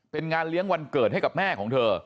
เป็นงานเลี้ยงวันเกิดให้กับแม่ของเธอ